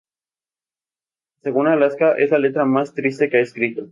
Según Alaska es la letra más triste que ha escrito.